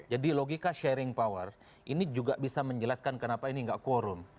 jadi logika sharing power ini juga bisa menjelaskan kenapa ini tidak quorum